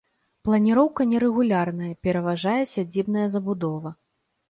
Планіроўка нерэгулярная, пераважае сядзібная забудова.